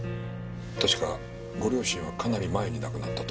確かご両親はかなり前に亡くなったと。